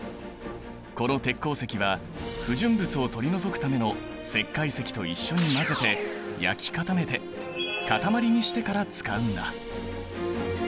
この鉄鉱石は不純物を取り除くための石灰石と一緒に混ぜて焼き固めて塊にしてから使うんだ。